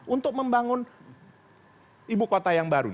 untuk membangun ibu kota yang baru